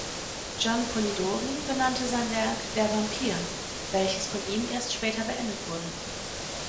John Polidori benannte sein Werk "Der Vampyr", welches von ihm erst später beendet wurde.